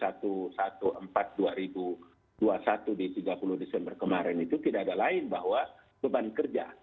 seperti dalam perpres satu satu empat dua ribu dua puluh satu di tiga puluh desember kemarin itu tidak ada lain bahwa beban kerja